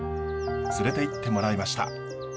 連れていってもらいました。